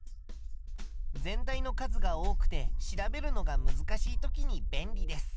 全体の数が多くて調べるのが難しい時に便利です。